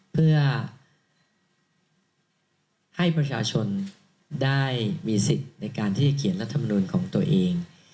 เพื่อให้ประชาชนได้มีสิทธิ์ในการที่จะเขียนรัฐมนุนของตัวเอง